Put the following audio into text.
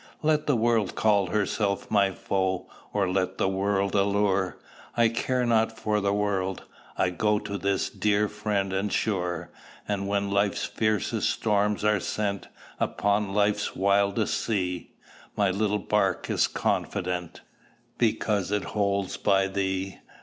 Let the world call herself my foe, Or let the world allure. I care not for the world: I go To this dear Friend and sure. And when life's fiercest storms are sent Upon life's wildest sea, My little bark is confident, Because it holds by thee.